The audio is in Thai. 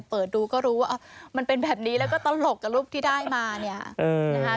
เปิดดูก็รู้ว่ามันเป็นแบบนี้แล้วก็ตลกกับรูปที่ได้มาเนี่ยนะคะ